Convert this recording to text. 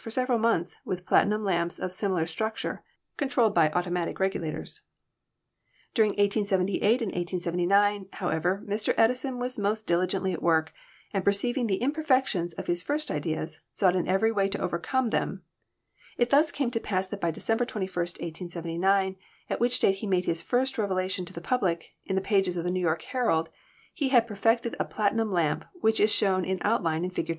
for several months with platinum lamps of similar structure controlled by automatic regula HISTORY OF ELECTRIC LIGHTING 23? tors. During 1878 and 1879, however, Mr. Edison was most diligently at work, and perceiving the imperfections of his first ideas, sought in every way to overcome them It thus came to pass that by December 21, 1879, at which date he made his first revelation to the public, in the pages of the New York Herald, he had perfected a platinum lamp which is shown in outline in Fig.